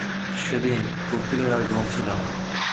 সেদিন কোকিলের আর ঘুম ছিল না।